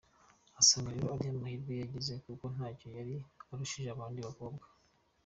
Asanga rero ari amahirwe yagize, kuko ntacyo yari arushije abandi bakobwa.